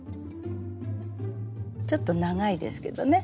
ちょっと長いですけどね